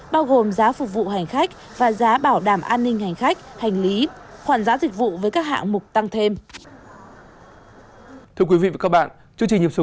bao gồm giá phục vụ hành khách và giá bảo đảm an ninh hành khách hành lý